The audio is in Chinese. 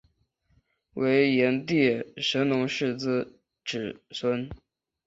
为炎帝神农氏之子孙。